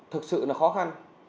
thực sự là khó khăn